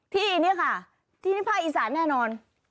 ที่นี่ค่ะที่นี่ภาคอีสานแน่นอน